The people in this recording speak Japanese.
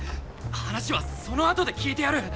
話はその後で聞いてやる。